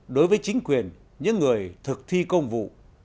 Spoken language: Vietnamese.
đối với chính quyền những người thực thi công vụ